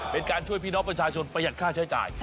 เป็นการช่วยพี่น้องประชาชนประหยัดค่าใช้จ่าย